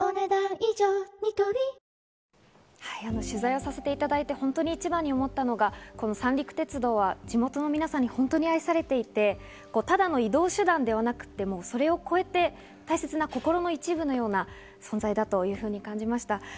取材をさせていただいて本当に一番に思ったのが、三陸鉄道は地元の皆さんに愛されていて、ただの移動手段ではなくて、それを超えて、大切な心の一部のような存在だと感じました。